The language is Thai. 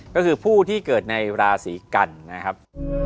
ก็คือผู้ที่เกิดในราศีกันนะครับ